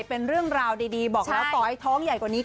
เป็นเรื่องราวดีบอกแล้วต่อให้ท้องใหญ่กว่านี้